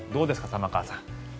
玉川さん。